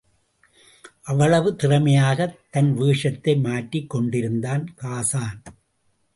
அவ்வளவு திறமையாகத் தன் வேஷத்தை மாற்றிக் கொண்டிருந்தான் ஹாஸான்.